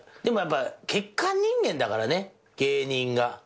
でもやっぱ欠陥人間だからね芸人が。